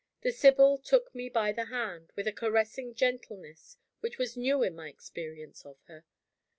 The Sibyl took me by the hand, with a caressing gentleness which was new in my experience of her.